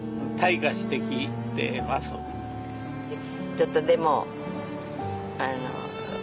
ちょっとでもあの。